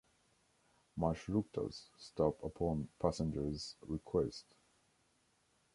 Marshrutkas stop upon passengers' request.